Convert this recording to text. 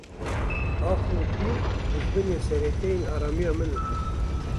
Ax û bîr dijminên sereke yên aramiya min in.